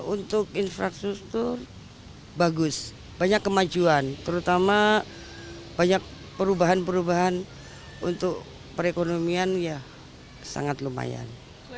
untuk infrastruktur bagus banyak kemajuan terutama banyak perubahan perubahan untuk perekonomian ya sangat lumayan